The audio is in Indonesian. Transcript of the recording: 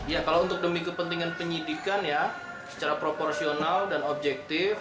ya kalau untuk demi kepentingan penyidikan ya secara proporsional dan objektif